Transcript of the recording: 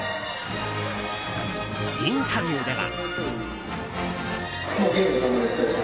インタビューでは。